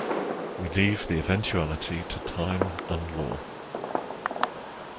We leave the eventuality to time and law.